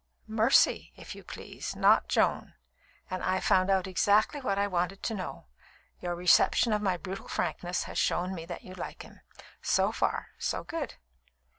"'Mercy,' if you please, not Joan. And I've found out exactly what I wanted to know. Your reception of my brutal frankness has shown me that you like him. So far, so good."